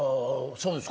そうですか。